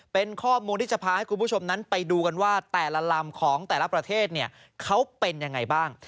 เป็นข้อมูลที่จะพาให้คุณผู้ชมนั้นไปดูกันว่าแต่ละลำของแต่ละประเทศเนี่ยเขาเป็นยังไงบ้าง